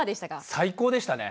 最高でしたね！